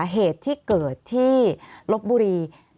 เหตุที่เกิดที่ลบบุรี